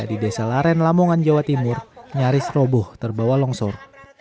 di desa laren lamongan jawa timur nyaris roboh terbawa longsor